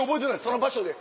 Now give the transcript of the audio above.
その場所で？